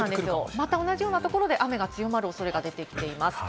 また同じようなところで雨が強まる恐れが出てきています。